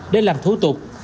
để làm thủ tục